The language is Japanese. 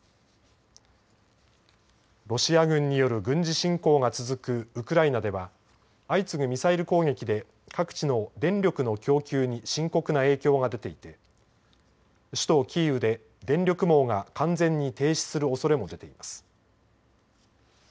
ロシア軍による軍事侵攻が続くウクライナでは相次ぐミサイル攻撃で各地の電力の供給に深刻な影響が出ていて首都キーウで電力網が完全に停止するおそれも出ています。